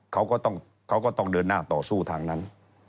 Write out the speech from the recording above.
เขาก็ต้องเดินหน้าต่อสู้ทางนั้น